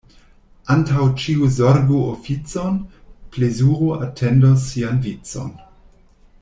Antaŭ ĉio zorgu oficon — plezuro atendos sian vicon.